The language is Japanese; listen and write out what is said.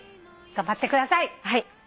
頑張ってください。